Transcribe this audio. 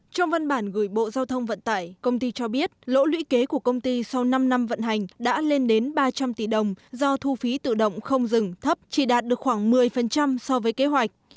trong văn bản gửi bộ giao thông vận tải công ty cho biết lỗ lũy kế của công ty sau năm năm vận hành đã lên đến ba trăm linh tỷ đồng do thu phí tự động không dừng thấp chỉ đạt được khoảng một mươi so với kế hoạch